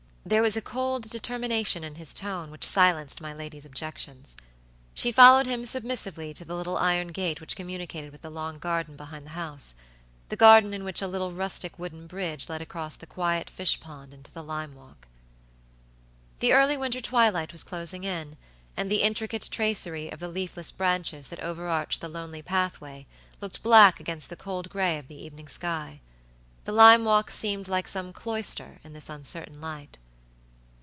There was a cold determination in his tone which silenced my lady's objections. She followed him submissively to the little iron gate which communicated with the long garden behind the housethe garden in which a little rustic wooden bridge led across the quiet fish pond into the lime walk. The early winter twilight was closing in, and the intricate tracery of the leafless branches that overarched the lonely pathway looked black against the cold gray of the evening sky. The lime walk seemed like some cloister in this uncertain light.